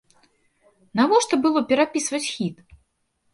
Навошта было перапісваць хіт?